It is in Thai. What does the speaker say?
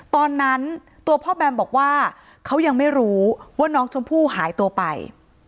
ตอนนั้นตัวพ่อแบมบอกว่าเขายังไม่รู้ว่าน้องชมพู่หายตัวไป